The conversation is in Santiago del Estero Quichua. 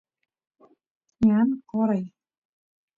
ñan qoray